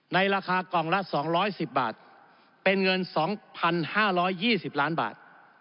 ในราคากล่องละ๒๑๐บาทเป็นเงิน๒๕๒๐ล้านบาท